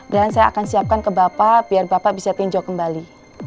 dan saya akan siapkan ke bapak biar bapak bisa tinjau kembali